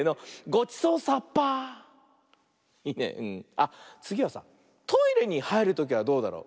あっつぎはさトイレにはいるときはどうだろう。